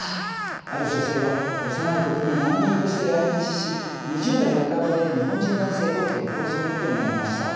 ある女性は、幼い時に難民として来日し２０代半ばで日本人男性と結婚することになりました。